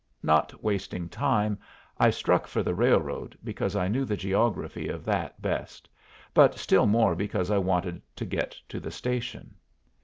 Not wasting time, I struck for the railroad, because I knew the geography of that best, but still more because I wanted to get to the station.